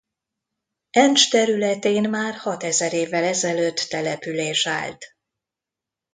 Encs területén már hatezer évvel ezelőtt település állt.